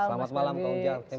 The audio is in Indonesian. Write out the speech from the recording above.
selamat malam kang ujang